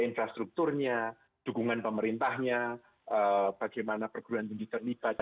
infrastrukturnya dukungan pemerintahnya bagaimana perguruan tinggi terlibat